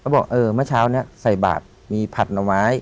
บอกมาตราเนี่ยในบาทมีผัดหน่อไม้